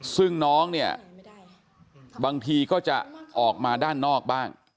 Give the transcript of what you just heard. ซึ่งน้องเนี่ยบางทีก็จะออกมาด้านนอกบ้าง